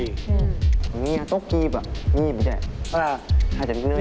ตรงนี้ตกหยีบหยีบใช่ไหม